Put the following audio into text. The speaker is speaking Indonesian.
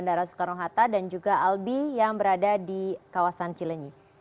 dinas perhubungan dan otoritas bandara